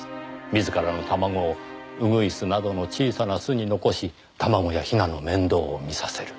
自らの卵をウグイスなどの小さな巣に残し卵や雛の面倒を見させる。